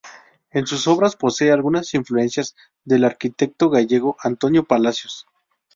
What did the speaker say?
En sus obras posee algunas influencias del arquitecto gallego Antonio Palacios.